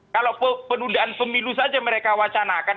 kalau penundaan pemilu saja mereka wacanakan